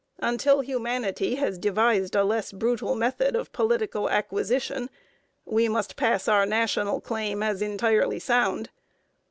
Until humanity has devised a less brutal method of political acquisition, we must pass our national claim as entirely sound.